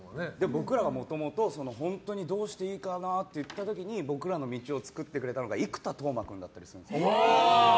僕らはもともと本当にどうしたらいいかなと思った時に僕らの道を作ってくれたのが生田斗真君だったんです。